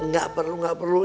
nggak perlu nggak perlu